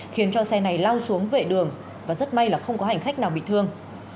khiến cho xe này lao xuống vệ đường và rất may là không có hành khách nào bị thương